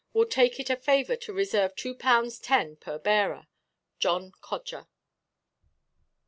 Will take it a favuor to reseeve two pound ten per bearer. "JOHN CODGER."